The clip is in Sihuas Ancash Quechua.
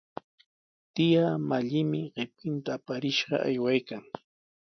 Tiyaa Mallimi qipinta aparishqa aywaykan.